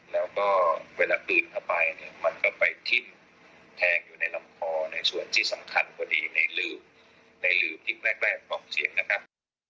แล้วก็เวลากลืนเข้าไปเนี่ยมันก็ไปทิ้มแทงอยู่ในลำคอในส่วนที่สำคัญพอดีในลืมได้ลืมที่แรกออกเสียงนะครับ